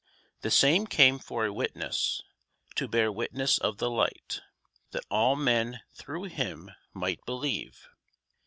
The same came for a witness, to bear witness of the Light, that all men through him might believe.